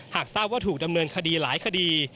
หากทราบว่าถูกดำเนินคดีหลายคดี